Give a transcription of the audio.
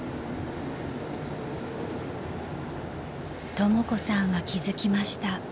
［とも子さんは気付きました］